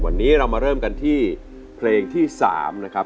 วันนี้เรามาเริ่มกันที่เพลงที่๓นะครับ